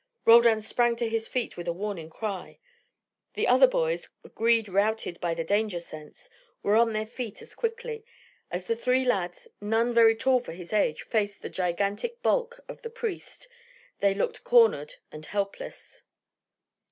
Roldan sprang to his feet with a warning cry. The other boys, greed routed by the danger sense, were on their feet as quickly. As the three lads, none very tall for his age, faced the gigantic bulk of the priest, they looked cornered and helpless.